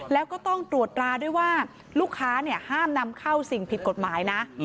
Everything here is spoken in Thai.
แล้วก็ต้องตรวจราด้วยว่าลูกค้าห้ามนำเข้าสิ่งผิดกฎหมายนะ